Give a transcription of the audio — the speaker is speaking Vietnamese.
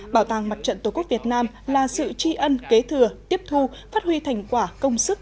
bảo tàng mặt trận tổ quốc việt nam là sự tri ân kế thừa tiếp thu phát huy thành quả công sức